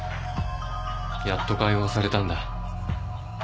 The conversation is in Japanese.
やっと解放されたんだ。